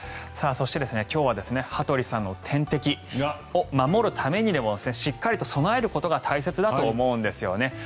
そして、今日は羽鳥さんの天敵守るためにしっかりと備えることが大切だと思うんですよね。